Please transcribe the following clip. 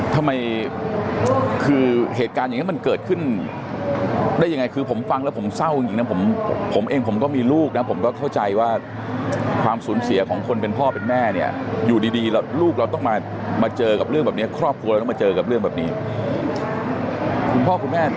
ทำไมคือเหตุการณ์อย่างนี้มันเกิดขึ้นได้ยังไงคือผมฟังแล้วผมเศร้าจริงนะผมเองผมก็มีลูกนะผมก็เข้าใจว่าความสูญเสียของคนเป็นพ่อเป็นแม่เนี่ยอยู่ดีลูกเราต้องมาเจอกับเรื่องแบบนี้ครอบครัวเราต้องมาเจอกับเรื่องแบบนี้คุณพ่อคุณแม่